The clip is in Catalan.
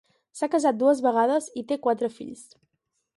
S'ha casat dues vegades i té quatre fills.